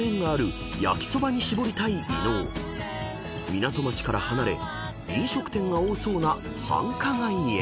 ［港町から離れ飲食店が多そうな繁華街へ］